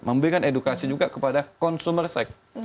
memberikan edukasi juga kepada consumer seks